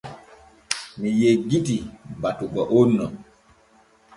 Mi yeggitii batugo on no.